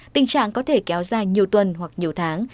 tình trạng có thể kéo dài nhiều tuần hoặc nhiều tháng